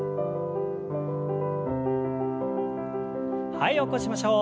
はい起こしましょう。